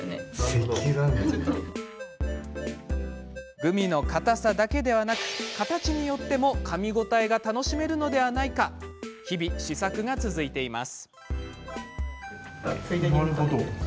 グミのかたさだけではなく形によってもかみ応えが楽しめるのではないか日々、試作が続いています。